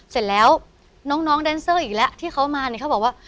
เสร็จแล้วน้องแดนเซอร์อีกแล้วที่เขามาเนี่ยเขาบอกว่า